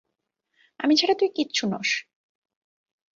আমি ছাড়া তুই কিচ্ছু নোস।